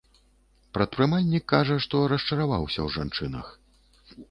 Прадпрымальнік кажа, што расчараваўся ў жанчынах.